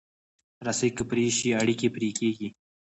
رسۍ که پرې شي، اړیکې پرې کېږي.